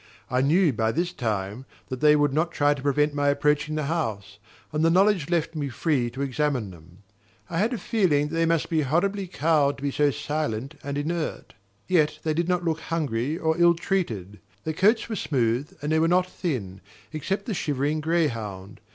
I knew by this time that they would not try to prevent my approaching the house, and the knowledge left me free to examine them. I had a feeling that they must be horribly cowed to be so silent and inert. Yet they did not look hungry or ill treated. Their coats were smooth and they were not thin, except the shivering greyhound.